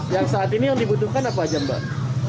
yang saat ini yang dibutuhkan apa aja mbak